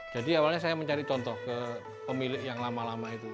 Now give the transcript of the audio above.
jadi awalnya saya mencari contoh ke pemilik yang lama lama itu